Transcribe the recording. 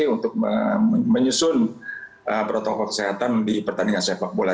untuk menyusun protokol kesehatan di pertandingan sepak bola